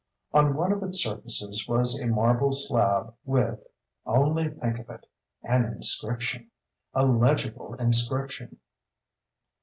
On one of its surfaces was a marble slab with (only think of it!) an inscription—a legible inscription.